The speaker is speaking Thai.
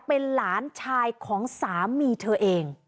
เป็นหลานชายของสามีเธอเอง